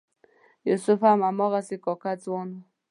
یوسف هم هماغسې کاکه ځوان و.